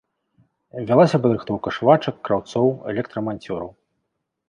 Вялася падрыхтоўка швачак, краўцоў, электраманцёраў.